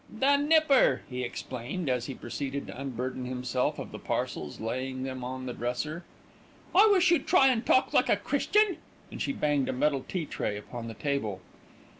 "The nipper," he explained, as he proceeded to unburden himself of the parcels, laying them on the dresser. "I wish you'd try and talk like a Christian," and she banged a metal tea tray upon the table.